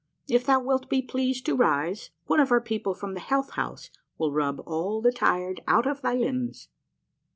If thou wilt be pleased to rise, one of our people from the Health House will rub all the tired out of thy limbs.